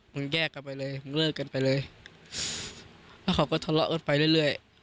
แยกกลับไปเลยมึงเลิกกันไปเลยแล้วเขาก็ทะเลาะเอิดไปเรื่อย